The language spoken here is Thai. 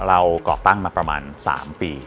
ก่อตั้งมาประมาณ๓ปี